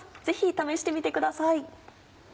ぜひ試してみてください。